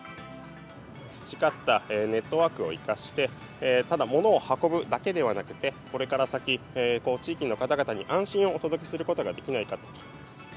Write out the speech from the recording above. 培ったネットワークを生かして、ただ物を運ぶだけではなくて、これから先、地域の方々に安心をお届けすることができないか。